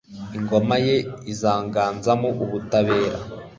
ingoma ye izaganzamo ubutabera